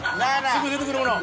すぐ出てくるもの。